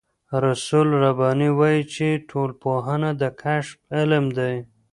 رسول رباني وايي چې ټولنپوهنه د کشف علم دی.